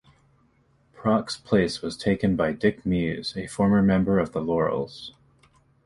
Proch's place was taken by Dick Muse, a former member of The Laurels.